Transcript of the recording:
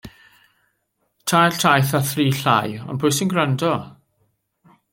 Tair taith a thri llai, ond pwy sy'n gwrando?